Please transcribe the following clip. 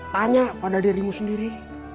tanya pada dirimu sendiri